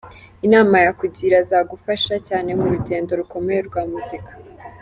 Inama yakugira zagufasha cyane mu rugendo rukomeye rwa muzika.